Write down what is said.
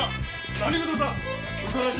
何事だ？